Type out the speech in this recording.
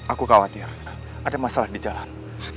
aku khawatir ada masalah di jalan